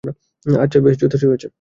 আচ্ছা, বেশ, যথেষ্ট হয়েছে।